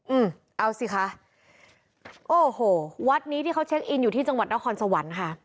อืมเอาสิคะโอ้โหวัดนี้ที่เขาเช็คอินอยู่ที่จังหวัดนครสวรรค์ค่ะ